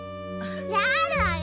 やだよ！